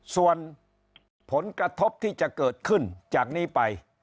ส่วนผลกระทบที่จะเกิดขึ้นจากนี้ไป